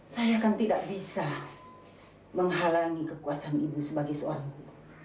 saya kan tidak bisa menghalangi kekuasaan ibu sebagai seorang ibu